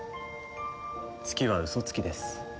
月はウソつきです。